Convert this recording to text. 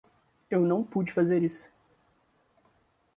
Eu não pude fazer isso.